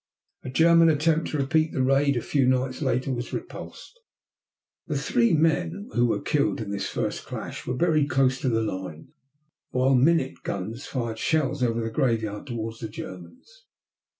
A German attempt to repeat the raid a few nights later was repulsed. The three men who were killed in this first clash were buried close to the lines, while minute guns fired shells over the graveyard toward the Germans.